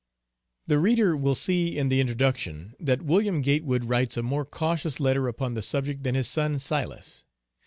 The reader will see in the introduction that Wm. Gatewood writes a more cautious letter upon the subject than his son Silas.